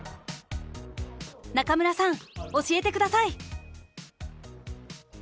中村さん教えて下さい！